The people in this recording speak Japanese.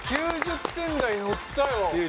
９０点台乗ったよ。